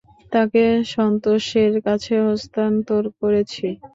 তাকে সান্তোসের কাছে হস্তান্তর করেছি।